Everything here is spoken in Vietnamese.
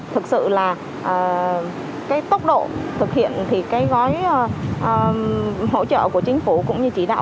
thực sự là cái tốc độ thực hiện thì cái gói hỗ trợ của chính phủ cũng như chỉ đạo